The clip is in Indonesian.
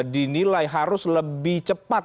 dinilai harus lebih cepat